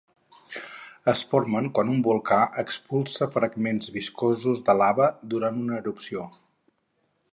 Es formen quan un volcà expulsa fragments viscosos de lava durant una erupció.